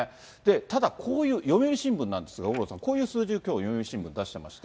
ただ、こういう、読売新聞なんですが、読売新聞、こういう数字出してまして。